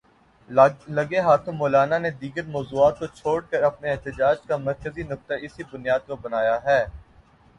لگے ہاتھوں مولانا نے دیگر موضوعات کو چھوڑ کے اپنے احتجاج کا مرکزی نکتہ اسی بنیاد کو بنایا ہے۔